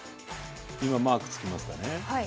今マークつきましたね。